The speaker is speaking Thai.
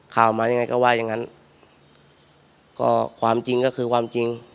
ข่าวมายังไงก็ว่าอย่างงั้นก็ความจริงก็คือความจริง